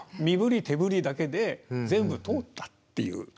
身振り手振りだけで全部通ったっていう。